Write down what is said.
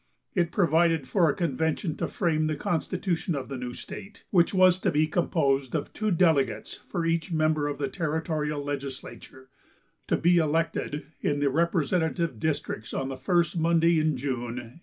It provided for a convention to frame the constitution of the new state, which was to be composed of two delegates for each member of the territorial legislature, to be elected in the representative districts on the first Monday in June, 1857.